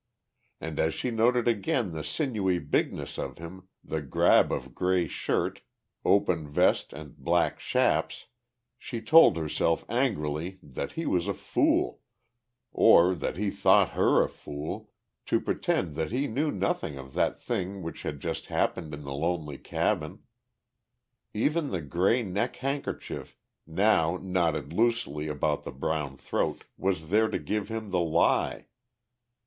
And as she noted again the sinewy bigness of him, the garb of grey shirt, open vest and black chaps, she told herself angrily that he was a fool, or that he thought her a fool, to pretend that he knew nothing of that thing which had just happened in the lonely cabin. Even the grey neck handkerchief, now knotted loosely about the brown throat, was there to give him the lie....